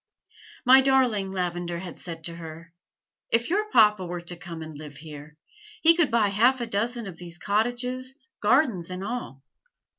"My darling," Lavender had said to her, "if your papa were to come and live here, he could buy half a dozen of these cottages, gardens and all.